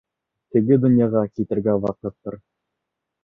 Теге донъяға китергә ваҡыттыр...